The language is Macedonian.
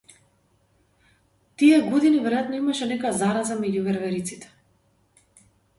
Тие години веројатно имаше некоја зараза меѓу вервериците.